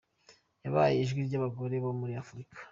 Yabaye ijwi ry’abagore bo muri Afurika.